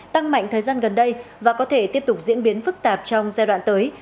tăng mạnh thời gian gần đây và có thể tiếp tục diễn biến phức tạp trong giai đoạn tới